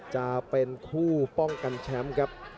จะเป็นคู่ป้องกันแชมป์ครับ